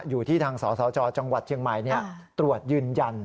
อยู่ที่ทางสสจจังหวัดเชียงใหม่ตรวจยืนยัน